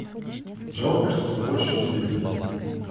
Жалко, что мы больше не увидимся.